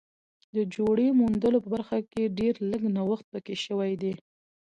د جوړې موندلو برخه کې ډېر لږ نوښت پکې شوی دی